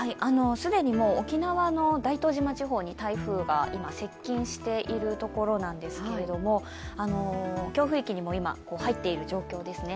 既にもう沖縄の大東島地方に台風が今接近しているところなんですけれども、強風域にも今、入っている状況ですね